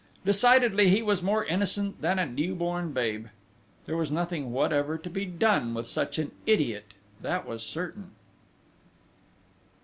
Decidedly he was more innocent than a new born babe! There was nothing whatever to be done with such an idiot, that was certain!